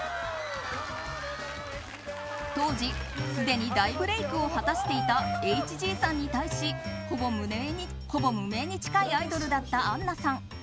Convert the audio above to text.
当時すでに大ブレークを果たしていたＨＧさんに対しほぼ無名に近いアイドルだった杏奈さん。